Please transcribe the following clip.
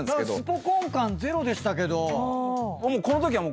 スポ根感ゼロでしたけど。